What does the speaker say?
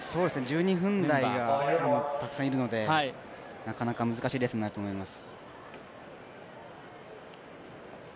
１２分台がたくさんいるのでなかなか難しいレースになると思います。